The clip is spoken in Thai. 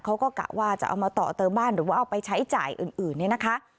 กะว่าจะเอามาต่อเติมบ้านหรือว่าเอาไปใช้จ่ายอื่นเนี่ยนะคะ